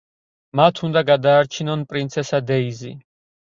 მათ უნდა გადაარჩინონ პრინცესა დეიზი.